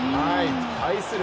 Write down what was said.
対する